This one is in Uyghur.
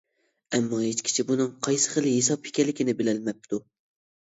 ئەمما ھېچ كىشى بۇنىڭ قايسى خىل ھېساب ئىكەنلىكىنى بىلەلمەپتۇ.